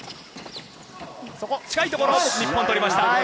近いところ日本取りました。